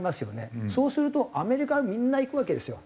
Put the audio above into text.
そうするとアメリカへみんないくわけですよ